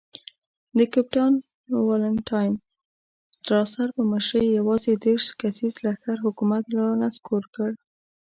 د کپټان والنټاین سټراسر په مشرۍ یوازې دېرش کسیز لښکر حکومت را نسکور کړ.